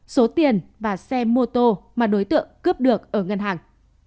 số tiền và xe mô tô mà đối tượng cướp được ở ngân hàng